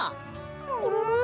ももも？